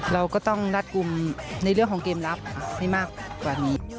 เราก็ต้องรัดกลุ่มในเรื่องของเกมรับให้มากกว่านี้